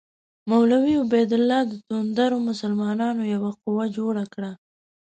مولوي عبیدالله د توندرو مسلمانانو یوه قوه جوړه کړه.